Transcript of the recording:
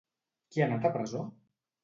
Qui ha anat a presó?